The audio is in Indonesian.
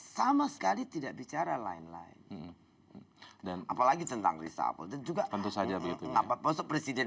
sama sekali tidak bicara lain lain dan apalagi tentang reshuffle dan juga tentu saja begitu presiden